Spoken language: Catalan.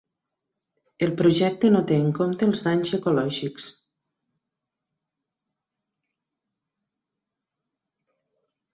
El projecte no té en compte els danys ecològics